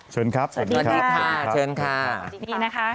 ชวนครับยินดีค่ะค่ะชวนครับอย่างนี้นะคะ